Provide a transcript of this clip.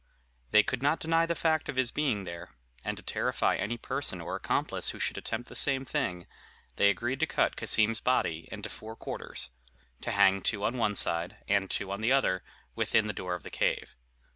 They could not deny the fact of his being there; and to terrify any person or accomplice who should attempt the same thing, they agreed to cut Cassim's body into four quarters to hang two on one side, and two on the other, within the door of the cave.